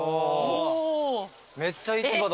めっちゃ市場だ。